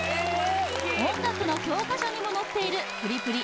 音楽の教科書にも載っているプリプリ